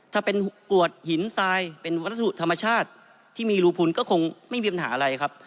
ถ้าเป็นกรวดหินทรายเป็นวัสดุธรรมชาติที่มีรูพุนก็คงไม่มีปัญหาอะไรครับ